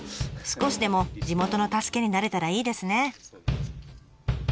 少しでも地元の助けになれたらいいですね。